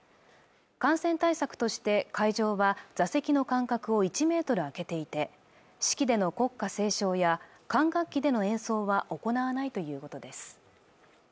感染対策として会場は座席の間隔を１ｍ空けていて式での国歌斉唱や管楽器での演奏は行わないということです